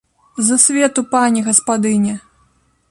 З свету, пані гаспадыня!